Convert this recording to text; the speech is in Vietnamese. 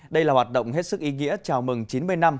đây là hoạt động hết sức ý nghĩa chào mừng chín mươi năm